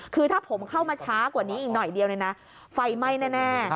คือถ้าผมเข้ามาช้ากว่านี้อีกหน่อยเดียวเนี่ยนะไฟไหม้แน่